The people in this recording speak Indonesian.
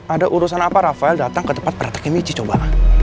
ada urusan apa rafael datang ke tempat praktek emisi coba